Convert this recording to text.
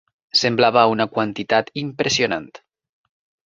Semblava una quantitat impressionant.